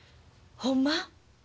ほんま？